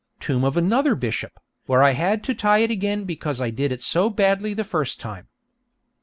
Tomb of another bishop, where I had to tie it again because I did it so badly the first time.